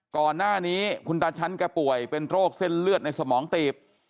ก่อนหน้านี้คุณตาชั้นแกป่วยเป็นโรคเส้นเลือดในสมองตีบ